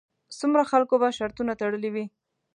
څومره خلکو به شرطونه تړلې وي.